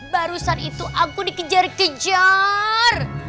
barusan itu aku dikejar kejar